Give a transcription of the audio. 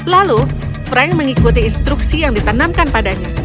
lalu frank mengikuti instruksi yang ditanamkan padanya